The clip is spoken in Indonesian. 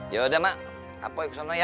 yaudah mak aku kesana ya